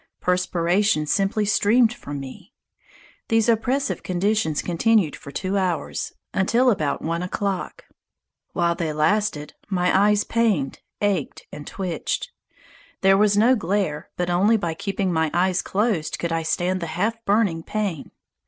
Perspiration simply streamed from me. These oppressive conditions continued for two hours, until about one o'clock. While they lasted, my eyes pained, ached, and twitched. There was no glare, but only by keeping my eyes closed could I stand the half burning pain.